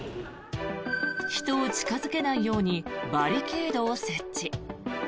人を近付けないようにバリケードを設置。